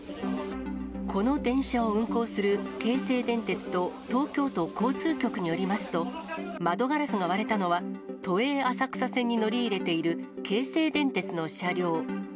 この電車を運行する京成電鉄と東京都交通局によりますと、窓ガラスが割れたのは、都営浅草線に乗り入れている京成電鉄の車両。